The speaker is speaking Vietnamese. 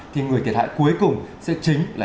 thì người thiệt hại cuối cùng sẽ chính là